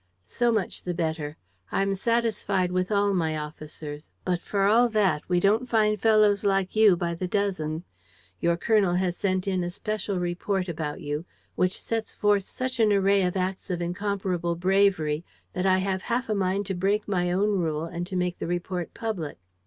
"So much the better. I'm satisfied with all my officers; but, for all that, we don't find fellows like you by the dozen. Your colonel has sent in a special report about you which sets forth such an array of acts of incomparable bravery that I have half a mind to break my own rule and to make the report public."